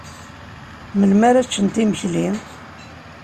Melmi ara ččent imekli?